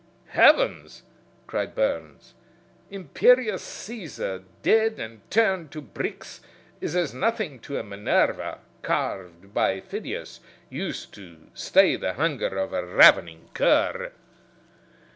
"Heavens!" cried Burns. "Imperious Caesar dead and turned to bricks is as nothing to a Minerva carved by Phidias used to stay the hunger of a ravening cur."